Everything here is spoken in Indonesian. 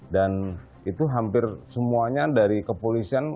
dan itu hampir semuanya dari kepolisian